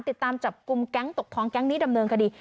ติดตามจับกลุ่มแก๊งตกท้องแก๊งนี้ดำเนินคดี